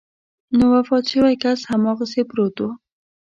نو وفات شوی کس هماغسې پروت و.